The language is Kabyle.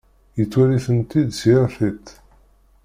Yettwali-tent-id s yir tiṭ.